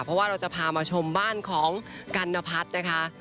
เพราะว่าเราจะพามาชมบ้านของกัณพัฒน์นะคะ